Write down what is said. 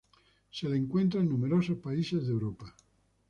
Se la encuentra en numerosos países de Europa.